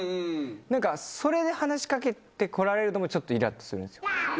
何かそれで話し掛けて来られるのもちょっとイラっとするんですよ。